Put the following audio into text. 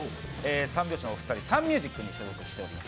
三拍子のお二人、サンミュージックに所属しております。